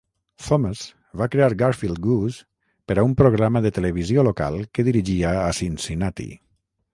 Thomas va crear Garfield Goose per a un programa de televisió local que dirigia a Cincinnati.